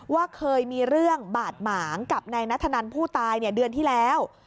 ว่าเคยมีเรื่องบาดหมางกับนายนัทธนันผู้ตายเดือนที่แล้ว